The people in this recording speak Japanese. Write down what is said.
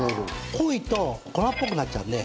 濃いと粉っぽくなっちゃうので。